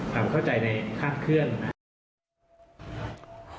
ความเข้าใจในคาดเคลื่อนนะครับ